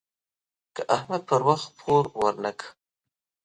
که احمد پر وخت پور ورنه کړ.